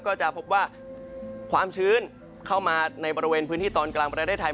ก็จะพบว่าความชื้นเข้ามาในบริเวณพื้นที่ตอนกลางประเทศไทย